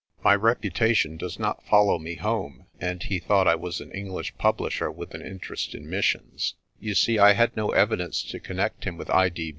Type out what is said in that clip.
My reputation does not follow me home, and he thought I was an English publisher with an interest in missions. You see I had no evidence to connect him with I.